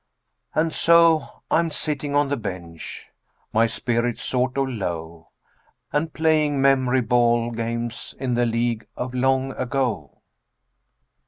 And so I'm sitting on the bench, my spirits sort o' low, And playing memory ball games in the League of Long Ago.